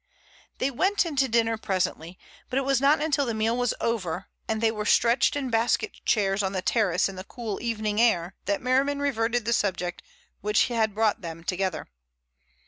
They went into dinner presently, but it was not until the meal was over and they were stretched in basket chairs on the terrace in the cool evening air that Merriman reverted to the subject which had brought them together.